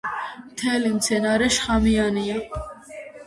მთელი მცენარე შხამიანია.